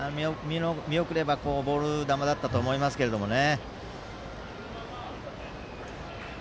見送ればボール球だったと思いますけどね。